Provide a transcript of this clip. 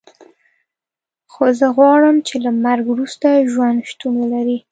خو زه غواړم چې له مرګ وروسته ژوند شتون ولري